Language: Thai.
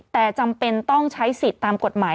แต่จำเป็นต้องใช้สิทธิ์ตามกฎหมาย